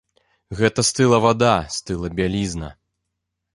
Гэта стыла вада, стыла бялізна.